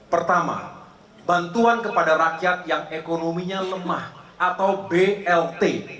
pertama bantuan kepada rakyat yang ekonominya lemah atau blt